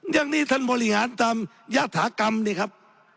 อย่างนี้ท่านบริหารตามยฐากรรมนี่ครับ